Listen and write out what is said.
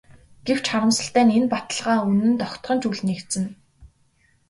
Гэвч харамсалтай нь энэ баталгаа үнэнд огтхон ч үл нийцнэ.